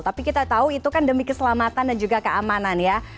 tapi kita tahu itu kan demi keselamatan dan juga keamanan ya